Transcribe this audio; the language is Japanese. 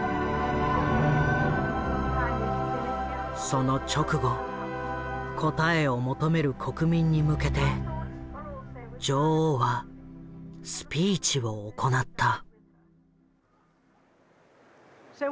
その直後こたえを求める国民に向けて女王はスピーチを行った。